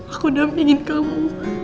aku dampingin kamu